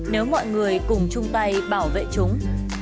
nếu mọi người cùng chung tay bảo vệ chúng